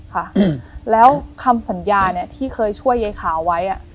ค่ะแล้วคำสัญญาเนี่ยที่เคยช่วยยายขาวไว้อ่ะ